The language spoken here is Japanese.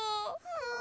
うん。